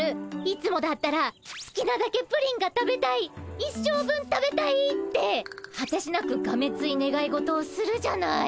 いつもだったらすきなだけプリンが食べたい一生分食べたいってはてしなくがめついねがい事をするじゃない。